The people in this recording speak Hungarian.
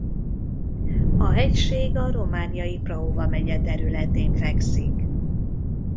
A hegység a romániai Prahova megye területén fekszik.